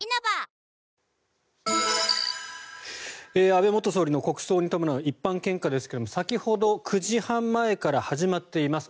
安倍元総理の国葬に伴う一般献花ですが先ほど９時半前から始まっています。